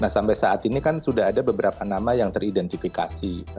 nah sampai saat ini kan sudah ada beberapa nama yang teridentifikasi